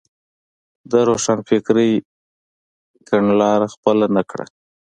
د روښانفکرۍ کڼلاره خپله نه کړه.